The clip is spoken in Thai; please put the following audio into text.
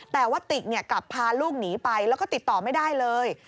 แต่ว่าติกกลับพาลูกหนีไปแล้วก็ติดต่อไม่ได้เลย